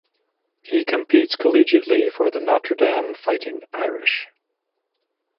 He competes collegiately for the Notre Dame Fighting Irish.